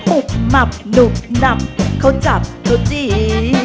อุบมับหนุบนำเขาจับก็ดี